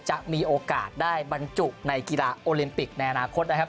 จะมีโอกาสได้บรรจุในกีฬาโอลิมปิกในอนาคตนะครับ